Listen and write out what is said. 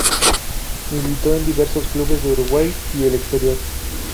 Militó en diversos clubes de Uruguay y el exterior.